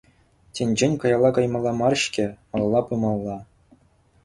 Тӗнчен каялла каймалла мар-ҫке, малалла пымалла.